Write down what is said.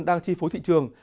đang chi phối thị trường